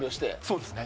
そうですね。